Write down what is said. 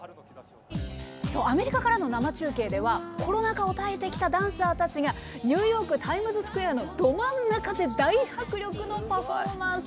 アメリカからの生中継ではコロナ禍を耐えてきたダンサーたちがニューヨークタイムズスクエアのど真ん中で大迫力のパフォーマンス。